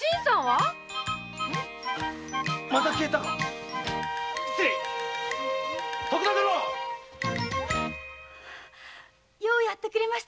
あッまた消えたか失礼ようやってくれました。